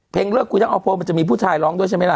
เพลงเลือกกุยักษ์ออกโภคมันจะมีผู้ชายร้องด้วยใช่ไหมล่ะ